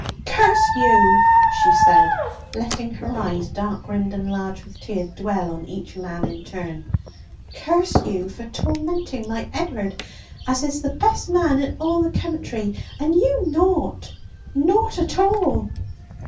'Curse you!' she said, letting her eyes, dark rimmed and large with tears, dwell on each man in turn. 'Curse you for tormenting my Ed'ard, as is the best man in all the country and you'm nought, nought at all!'